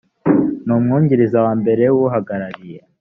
n umwungiriza wa mbere w uhagarariye